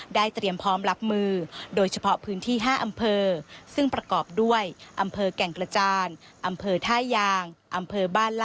ได้เตรียมพร้อมรับมือโดยเฉพาะพื้นที่๕อำเภอ